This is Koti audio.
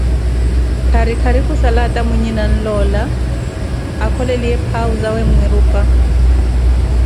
Khari khari khussala aata mwinhe nanlola akholeliye phau zawe mmwirupa